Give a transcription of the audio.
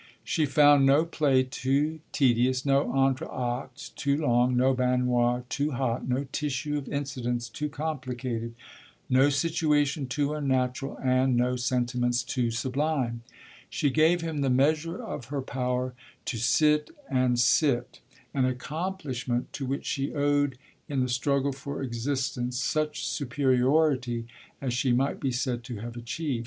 She found no play too tedious, no entr'acte too long, no baignoire too hot, no tissue of incidents too complicated, no situation too unnatural and no sentiments too sublime. She gave him the measure of her power to sit and sit an accomplishment to which she owed in the struggle for existence such superiority as she might be said to have achieved.